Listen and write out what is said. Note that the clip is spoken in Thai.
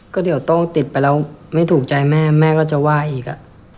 ก็เดี๋ยวต้องติดไปแล้วไม่ถูกใจแม่แม่ก็จะไหว้อีก